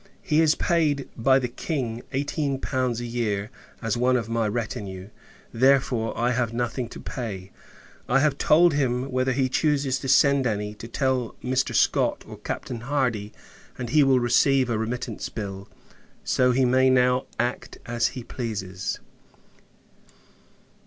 He is paid, by the King, eighteen pounds a year, as one of my retinue; therefore I have nothing to pay. I have told him, whenever he chooses to send any, to tell Mr. Scott, or Captain Hardy, and he will receive a remittance bill; so, he may now act as he pleases.